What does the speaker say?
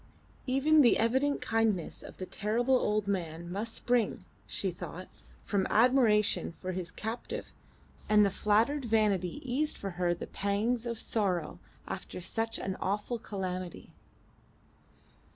Even the evident kindness of the terrible old man must spring, she thought, from admiration for his captive, and the flattered vanity eased for her the pangs of sorrow after such an awful calamity.